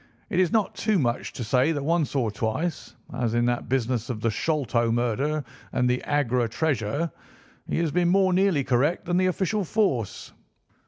It is not too much to say that once or twice, as in that business of the Sholto murder and the Agra treasure, he has been more nearly correct than the official force."